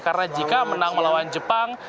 karena jika menang melawan jepang